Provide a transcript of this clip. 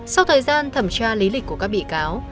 sau thời gian thẩm tra lý lịch của các bị cáo